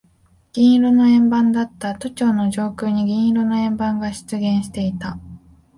銀色の円盤だった。都庁の上空に銀色の円盤が出現していた。